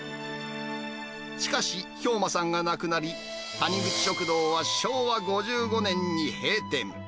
しかし、兵馬さんが亡くなり、谷口食堂は昭和５５年に閉店。